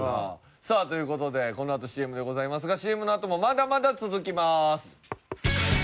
さあという事でこのあとＣＭでございますがＣＭのあともまだまだ続きます。